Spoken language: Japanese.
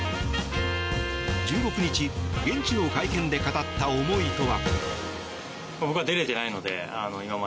１６日、現地の会見で語った思いとは。